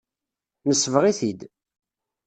Nesbeɣ-it-id.